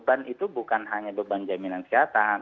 beban itu bukan hanya beban jaminan kesehatan